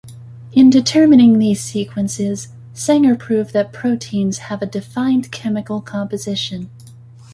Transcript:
In determining these sequences, Sanger proved that proteins have a defined chemical composition.